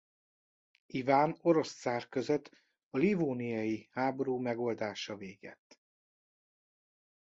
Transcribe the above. Iván orosz cár között a livóniai háború megoldása végett.